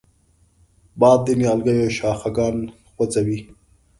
باد د نیالګیو شاخهګان خوځوي